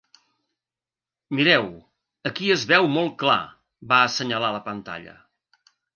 Mireu, aquí es veu molt clar —va assenyalar la pantalla—.